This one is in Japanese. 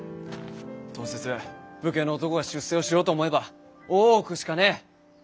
当節武家の男が出世をしようと思えば大奥しかねえ。